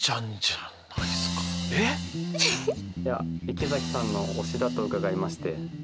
池崎さんの推しだと伺いまして。